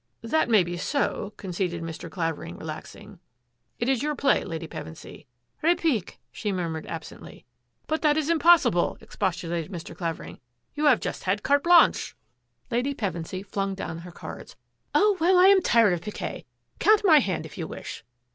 " That may be so," conceded Mr. Clavering, re laxing. " It is your play. Lady Pevensy." " Repiquel " she murmured absently. " But that is impossible !" expostulated Mr. Clavering. " You Eave just had carte blanche. 160 THAT AFFAIR AT THE MANOR Lady Pevensy flung down her cards. " Oh, well, I am tired of piquet ! Count my hand if you wish."